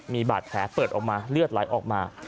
มีบาดแผลเปิดออกมาเลือดไหลออกมา